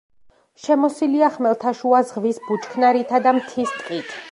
შემოსილია ხმელთაშუა ზღვის ბუჩქნარითა და მთის ტყით.